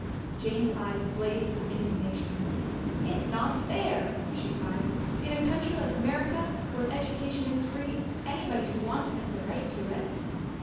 Jane's eyes blazed with indignation. "It's not fair!" she cried. "In a country like America, where education is free. Anybody who wants it has a right to it."